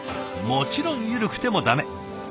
もちろん緩くても駄目。